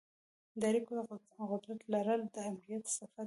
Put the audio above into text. د اړیکو قدرت لرل د آمریت صفت دی.